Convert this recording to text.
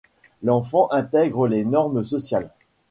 L'enfant intègre les normes sociales.